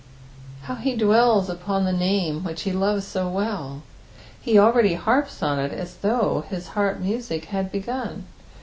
How he dwells upon the name which he loves so well I He already harps on it aa though his harp music had begun.